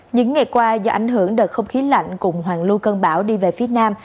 những ngày qua do ảnh hưởng đợt không khí lạnh cùng hoàng lưu cơn bão đi về phía nam